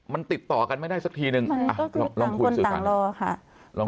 มันติดต่อกันไม่ได้สักทีนึงก็คือต่างคนต่างรอค่ะ